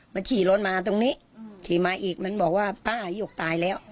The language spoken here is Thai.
มันขี่รถมาตรงนี้ขี่มาอีกมันบอกว่าป้ายกตายแล้ว